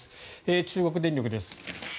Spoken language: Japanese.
中国電力です。